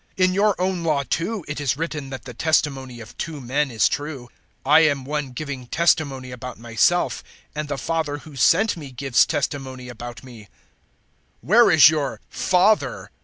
008:017 In your own Law, too, it is written that the testimony of two men is true. 008:018 I am one giving testimony about myself, and the Father who sent me gives testimony about me." 008:019 "Where is your Father?"